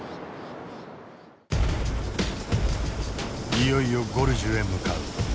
いよいよゴルジュへ向かう。